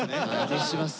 徹します。